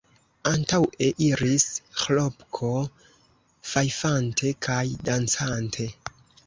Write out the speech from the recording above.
Antaŭe iris Ĥlopko, fajfante kaj dancante.